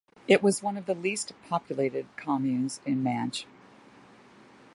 It was one of the least populated communes in Manche.